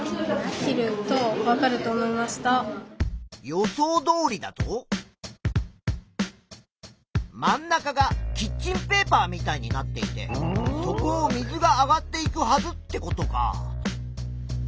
予想どおりだと真ん中がキッチンペーパーみたいになっていてそこを水が上がっていくはずってことか。